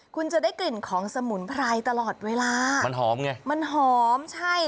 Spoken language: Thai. คุณจะได้กลิ่นของสมุนไพรตลอดเวลามันหอมไงมันหอมใช่